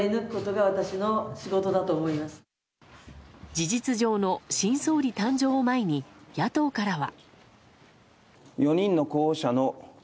事実上の新総理誕生を前に野党からは。